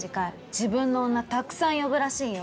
自分の女たくさん呼ぶらしいよ